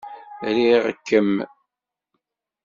Riɣ-kem.